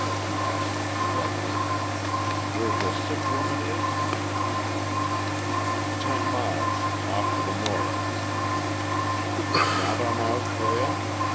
she asked abruptly. "Where the sick woman is?" "Ten miles. Off to the north." "Not on our trail?"